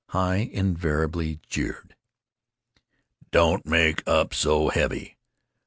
Heye invariably jeered: "Don't make up so heavy....